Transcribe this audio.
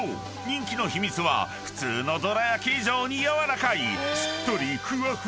人気の秘密は普通のどらやき以上に軟らかい］